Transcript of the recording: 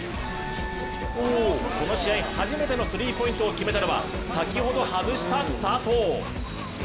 この試合初めてのスリーポイントを決めたのは先ほど外した佐藤。